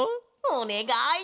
おねがい。